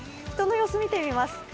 人の様子見てみます。